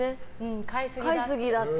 買いすぎだって。